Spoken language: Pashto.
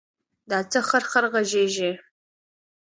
دا څه خرخر غږېږې.